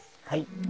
はい。